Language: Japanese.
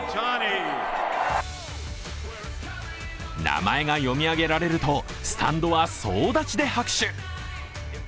名前が読み上げられるとスタンドは総立ちで拍手。